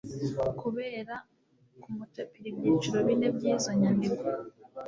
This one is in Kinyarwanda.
kubera kumucapira ibyiciro bine by'izo nyandiko.